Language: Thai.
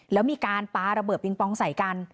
แล้วมีการปาระเบิดปิงปองใส่กัน